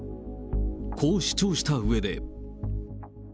こう主張したうえで。